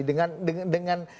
dengan dengan dengan